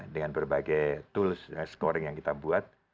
dengan berbagai tools scoring yang kita buat